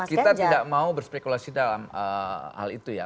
kita tidak mau berspekulasi dalam hal itu ya